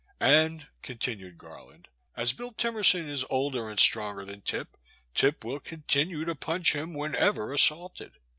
And," continued Garland, '* as Bill Timerson is older and stronger than Tip, Tip will continue to punch him whenever assaulted."